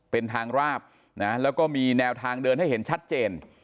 เป็นทางราบนะแล้วก็มีแนวทางเดินให้เห็นชัดเจน